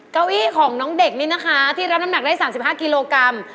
เก้าอี้ของน้องเด็กนี่นะคะที่รับน้ำหนักได้๓๕กิโลกรัม